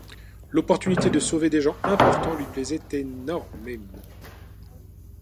L'opportunité de sauver des gens importants lui plaisait énormément.